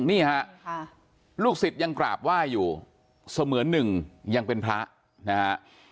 นี่ฮะลูกศิษย์ยังกราบไหว้อยู่เสมือนหนึ่งยังเป็นพระนะฮะ